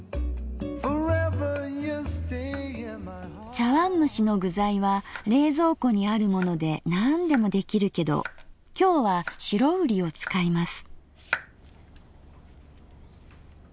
茶わんむしの具材は冷蔵庫にあるものでなんでも出来るけど今日は白瓜を使います。